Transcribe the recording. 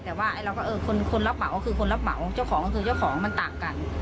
แต่ว่าเราก็เออคนรับเหมาคือคนรับเหมาเจ้าของก็คือเจ้าของมันต่างกัน